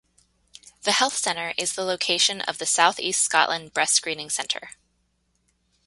The health centre is the location of the South East Scotland Breast Screening Centre.